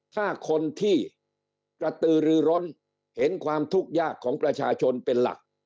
ถ้าคนที่กระตือรือร้นเห็นความทุกข์ยากของประชาชนเป็นหลัก